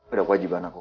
udah kewajiban aku